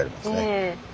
ええ。